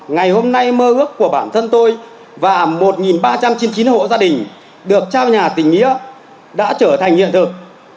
ngày hôm nay mơ ước của bản thân tôi và một ba trăm chín mươi chín hộ gia đình được trao nhà tỉnh nghĩa đã trở thành hiện thực